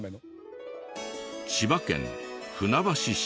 千葉県船橋市。